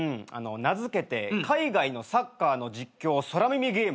名付けて「海外のサッカーの実況空耳ゲーム」